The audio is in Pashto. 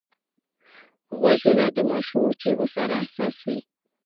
غوږونه د ماشومو چیغو سره حساس وي